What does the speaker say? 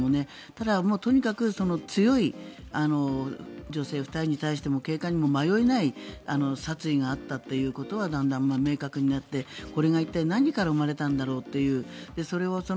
ただ、とにかく強い女性２人に対しても警官にも、迷いない殺意があったということはだんだん明確になってこれが一体何から生まれたんだろうという。